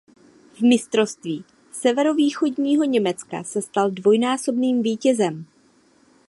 V mistrovství Severovýchodního Německa se stal dvojnásobným vítězem.